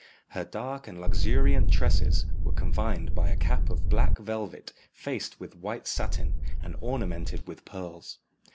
Her dark and luxuriant tresses were confined by a cap of black velvet faced with white satin, and ornamented with pearls.